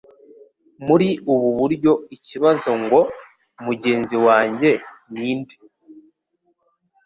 Muri ubu buryo ikibazo ngo:"Mugenzi wanjye ni nde?"